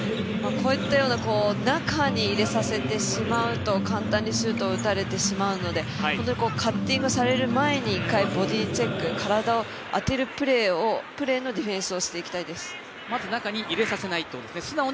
こういったような中に入れさせてしまうと簡単にシュートを打たれてしまうので本当にカッティングされる前に１回、ボディーチェック体を当てるプレーのディフェンスをしていきたいです。